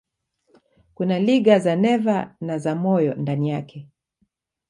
Kuna liga za neva na za moyo ndani yake.